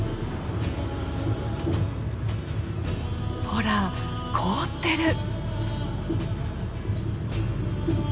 ほら凍ってる。